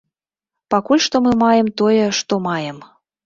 Пакуль што мы маем тое, што маем.